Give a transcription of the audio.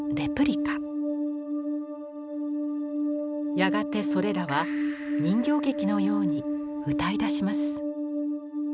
やがてそれらは人形劇のように歌いだします。